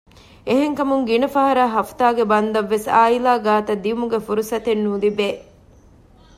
އެހެން ކަމުން ގިނަ ފަހަރަށް ހަފުތާ ބަންދަށް ވެސް އާއިލާ ގާތަށް ދިއުމުގެ ފުރުސަތެއް ނުލިބޭ